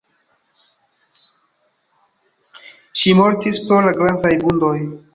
Ŝi mortis pro la gravaj vundoj.